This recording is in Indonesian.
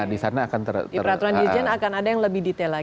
di peraturan dirjen akan ada yang lebih detail lagi